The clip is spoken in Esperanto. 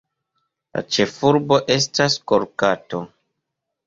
La ĉefurbo estas Kolkato.